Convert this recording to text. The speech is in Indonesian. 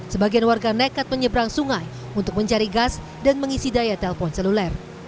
sebagian warga nekat menyeberang sungai untuk mencari gas dan mengisi daya telpon seluler